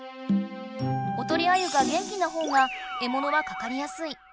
おとりアユが元気なほうがえものはかかりやすい。